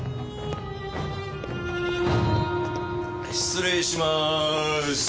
失礼します。